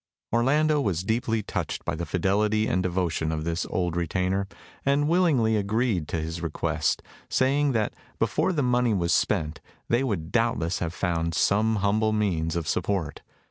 Orlando was deeply touched by the fidelity and devotion of this old retainer, and willingly agreed to his request, saying that before the money was spent they would doubtless have found some humble means of support.